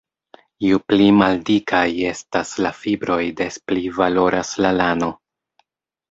Ju pli maldikaj estas la fibroj, des pli valoras la lano.